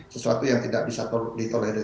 sesuatu yang tidak bisa ditolerir